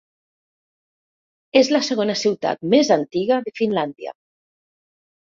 És la segona ciutat més antiga de Finlàndia.